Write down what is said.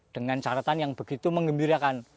dengan caratan yang begitu mengembirakan